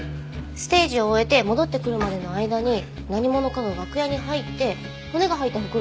ステージを終えて戻ってくるまでの間に何者かが楽屋に入って骨が入った袋を置いたようです。